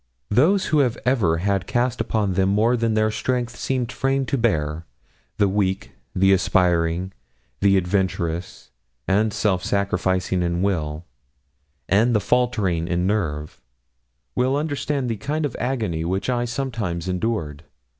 Those who have ever had cast upon them more than their strength seemed framed to bear the weak, the aspiring, the adventurous and self sacrificing in will, and the faltering in nerve will understand the kind of agony which I sometimes endured.